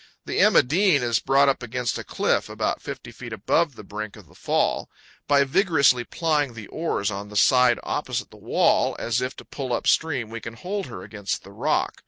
The "Emma Dean" is brought up against a cliff 174 4 CANYONS OF THE COLORADO. about 50 feet above the brink of the fall. By vigorously plying the oars on the side opposite the wall, as if to pull up stream, we can hold her against the rock.